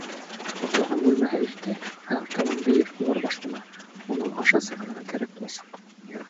Йоҡлаған бүлмәһе өҫтә, ә артабан бейек диуар башлана, уның аша сығырға кәрәк буласаҡ.